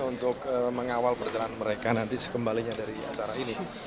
untuk mengawal perjalanan mereka nanti sekembalinya dari acara ini